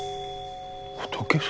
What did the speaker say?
仏様？